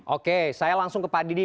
oke saya langsung ke pak didi